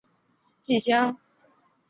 义县是辽宁省锦州市下辖的一个县。